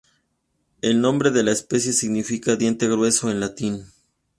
El nombre de la especie significa "diente grueso" en latín.